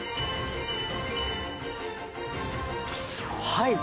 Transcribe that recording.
はい。